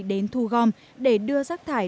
đến thu gom để đưa rác thải